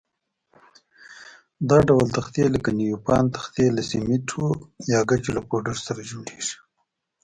دا ډول تختې لکه نیوپان تختې له سمنټو یا ګچو له پوډر سره جوړېږي.